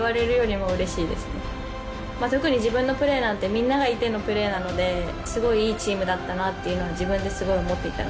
特に自分のプレーなんてみんながいてのプレーなのですごいいいチームだったというのは自分ですごい思っていたので。